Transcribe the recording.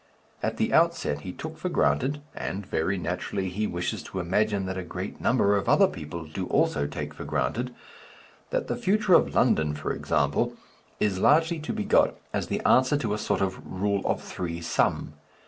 At the outset he took for granted and, very naturally, he wishes to imagine that a great number of other people do also take for granted that the future of London, for example, is largely to be got as the answer to a sort of rule of three sum.